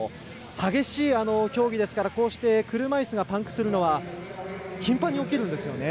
激しい競技ですからこうして車いすがパンクするのは頻繁に起きるんですよね。